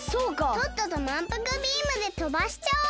とっととまんぷくビームでとばしちゃおう！